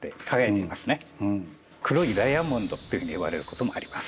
「黒いダイヤモンド」っていうふうにいわれることもあります。